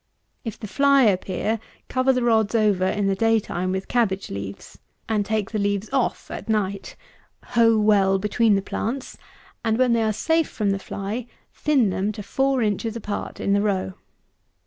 If the fly appear, cover the rows over in the day time with cabbage leaves, and take the leaves off at night; hoe well between the plants; and when they are safe from the fly, thin them to four inches apart in the row.